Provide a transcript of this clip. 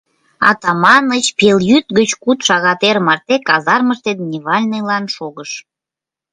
Атаманыч пелйӱд гыч куд шагат эр марте казармыште дневальныйлан шогыш.